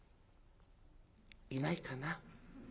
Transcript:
いないかな？